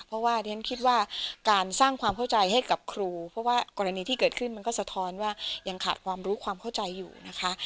เพราะว่าเรียนคิดว่าการสร้างความเข้าใจให้กับครูเพราะว่ากรณีที่เกิดขึ้นมันก็สะท้อนว่ายังขาดความรู้ความเข้าใจอยู่นะคะ